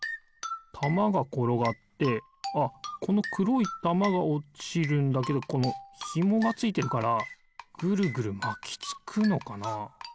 たまがころがってああこのくろいたまがおちるんだけどこのひもがついてるからぐるぐるまきつくのかな。